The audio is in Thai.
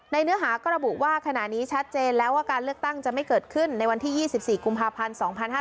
เนื้อหาก็ระบุว่าขณะนี้ชัดเจนแล้วว่าการเลือกตั้งจะไม่เกิดขึ้นในวันที่๒๔กุมภาพันธ์๒๕๕๙